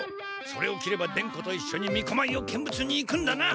それを着れば伝子と一緒にみこまいを見物に行くんだな。